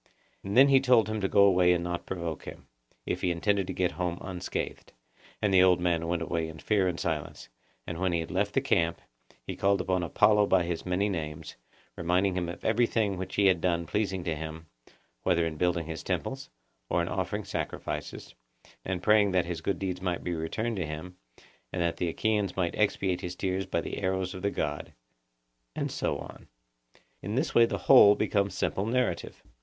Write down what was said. And then he told him to go away and not to provoke him, if he intended to get home unscathed. And the old man went away in fear and silence, and, when he had left the camp, he called upon Apollo by his many names, reminding him of everything which he had done pleasing to him, whether in building his temples, or in offering sacrifice, and praying that his good deeds might be returned to him, and that the Achaeans might expiate his tears by the arrows of the god,'—and so on. In this way the whole becomes simple narrative.